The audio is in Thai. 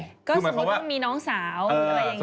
ก็สมมุติต้องมีน้องสาวอะไรอย่างนี้ใช่ไหม